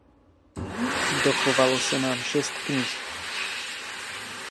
Dochovalo se nám šest knih.